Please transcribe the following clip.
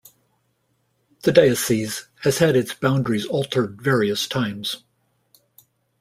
The diocese has had its boundaries altered various times.